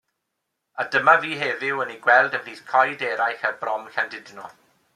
A dyma fi heddiw yn eu gweld ymhlith coed eraill ar brom Llandudno.